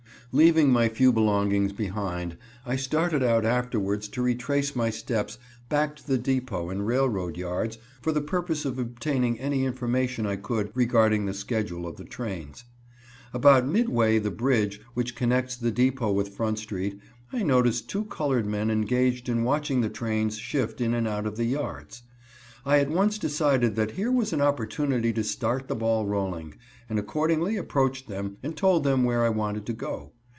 Leaving my few belongings behind, I started out afterwards to retrace my steps back to the depot and railroad yards for the purpose of obtaining any information I could regarding the schedule of the trains. About midway the bridge, which connects the depot with Front street, I noticed two colored men engaged in watching the trains shift in and out of the yards. I at once decided that here was an opportunity to start the ball rolling, and accordingly approached them and told them where I wanted to go.